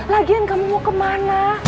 lagian kamu mau kemana